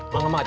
mak mak teh